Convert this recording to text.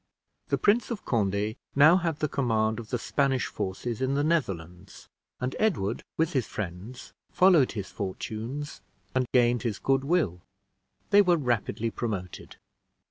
The Prince of Conde now had the command of the Spanish forces in the Netherlands; and Edward, with his friends, followed his fortunes, and gained his good will: they were rapidly promoted.